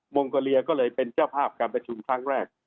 งงโกเลียก็เลยเป็นเจ้าภาพการประชุมครั้งแรก